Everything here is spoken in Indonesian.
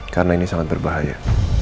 karena ini sangat berbahaya